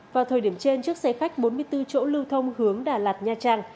vào thời điểm trên chiếc xe khách bốn mươi bốn chỗ lưu thông hướng đà lạt nha trang